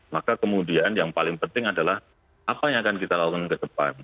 maka kemudian yang paling penting adalah apa yang akan kita lakukan ke depan